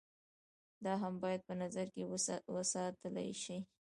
دا هم بايد په نظر کښې وساتلے شي